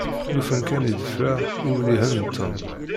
Lufan kan i ḍefreɣ iwellihen n Tom.